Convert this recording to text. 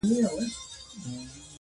خره یې وروڼه وه آسونه یې خپلوان وه؛